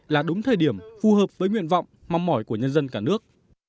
là đúng thời điểm phù hợp với nguyện vọng mong mỏi của nhân dân cả nước